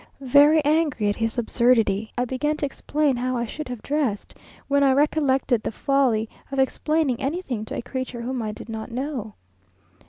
Very angry at his absurdity, I began to explain how I should have dressed, when I recollected the folly of explaining anything to a creature whom I did not know.